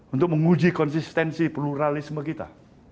untuk menguji konsistensi pluralisme kita